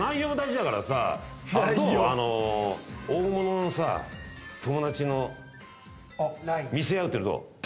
大物の友だちの見せ合うってのどう？